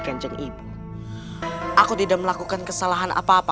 paman kimia itu mendengar hingga saat husband ya